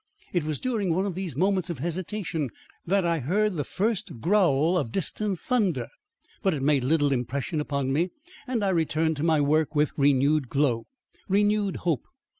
It was during one of these moments of hesitation that I heard the first growl of distant thunder. But it made little impression upon me, and I returned to my work with renewed glow, renewed hope.